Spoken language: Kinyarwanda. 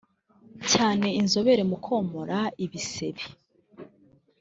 cyane inzobere mu komora ibisebe